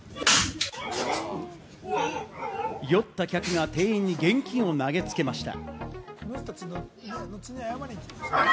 酔った客が店員に現金を投げつけました。